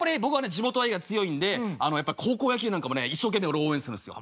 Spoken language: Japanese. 地元愛が強いんでやっぱ高校野球なんかもね一生懸命俺応援するんですよ。